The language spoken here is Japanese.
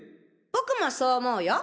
僕もそう思うよ。